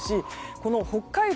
この北海道